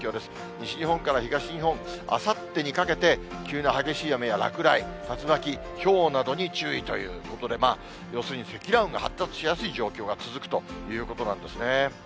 西日本から東日本、あさってにかけて急な激しい雨や落雷、竜巻、ひょうなどに注意ということで、要するに積乱雲が発達しやすい状況が続くということなんですね。